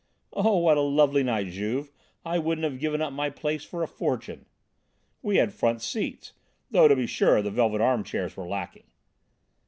"Oh, what a lovely night, Juve; I wouldn't have given up my place for a fortune." "We had front seats, though to be sure the velvet armchairs were lacking."